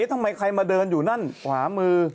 ทำไมใครมาเดินอยู่นั่นขวามือ